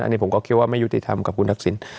อันนี้ผมก็คิดว่าไม่ยุติธรรมกับคุณทักษิณ